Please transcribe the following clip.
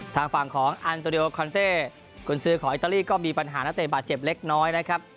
ทางฝั่งของอันโตดีโอคอนเต้กุญซื้อของอิตาลีก็มีปัญหานักเตะบาดเจ็บเล็กน้อยนะครับ